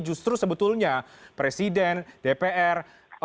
justru sebetulnya presiden dpr